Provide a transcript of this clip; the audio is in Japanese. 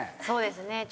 そうですね。